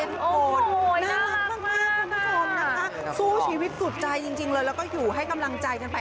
น่ารักมากคุณผู้ชมนะคะสู้ชีวิตสุดใจจริงเลยแล้วก็อยู่ให้กำลังใจกันไป